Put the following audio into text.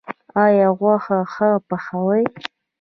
ایا غوښه ښه پخوئ؟